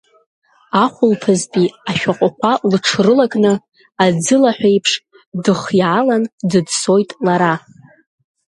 Ахәылԥазтәи ашәахәақәа лыҽрылакны, аӡылаҳәеиԥш дыхиаалан дыӡсоит лара.